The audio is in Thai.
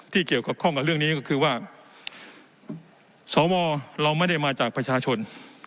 ที่เกี่ยวข้องกับเรื่องนี้ก็คือว่าสวเราไม่ได้มาจากประชาชน